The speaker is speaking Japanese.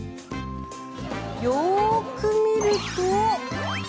よく見ると。